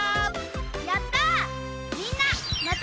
やった！